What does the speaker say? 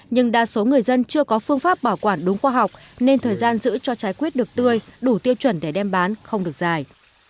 nhưng đa số người dân chưa có phương pháp bảo quản đúng khoa học nên thời gian giữ cho trái quyết được tươi đủ tiêu chuẩn để đem bán không được dài